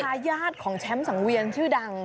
ทายาทของแชมป์สังเวียนชื่อดัง